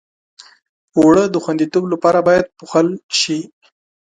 اوړه د خوندیتوب لپاره باید پوښل شي